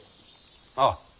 ああ。